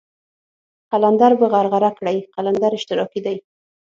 قلندر په غرغره کړئ قلندر اشتراکي دی.